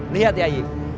lihat ya ayik